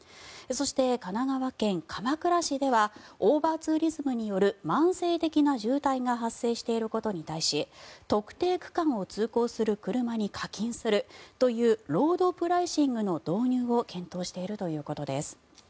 そして神奈川県鎌倉市ではオーバーツーリズムによる慢性的な渋滞が発生していることに対し特定区間を通行する車に課金するというロードプライシングの導入を検討しているということです。